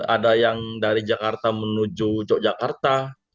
ada yang dari jakarta menuju yogyakarta